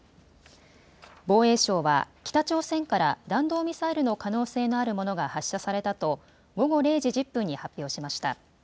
防衛省は北朝鮮から弾道ミサイルの可能性のあるものが発射されたと午後０時１０分に発表しました。